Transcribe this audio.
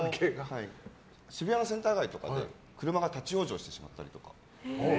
渋谷のセンター街とかで車が立ち往生しちゃったりとか。